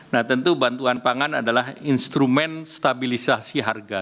nah tentu bantuan pangan adalah instrumen stabilisasi harga